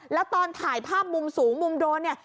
แล้วตอนถ่ายภาพมุมสูงมุมโดนเนี่ย